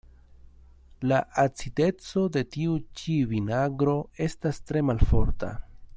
La acideco de tiu ĉi vinagro estas tre malforta.